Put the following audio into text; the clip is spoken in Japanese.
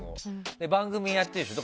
で、番組やってるでしょ。